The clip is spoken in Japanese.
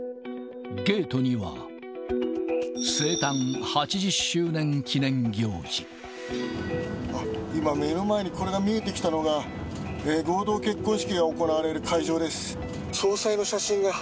ゲートには、今、目の前にこれが見えてきたのが、合同結婚式が行われる会場です。